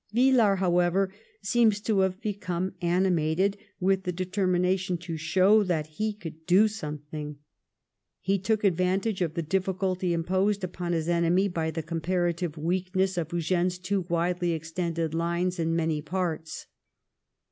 Villars, however, seems to have become animated with the determination to show that he could do something. He took advantage of the diflSculty im posed upon his enemy by the comparative weakness of Eugene's too widely extended lines in many parts.